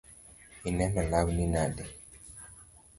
Ineno lawni nade?